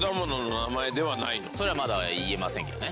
それはまだ言えませんけどね。